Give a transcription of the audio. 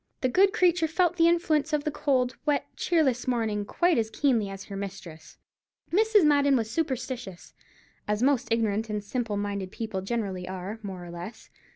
The good creature felt the influence of the cold, wet, cheerless morning quite as keenly as her mistress. Mrs. Madden was superstitious, as most ignorant and simple minded people generally are, more or less.